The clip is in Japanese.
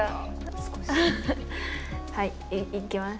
はいいきます。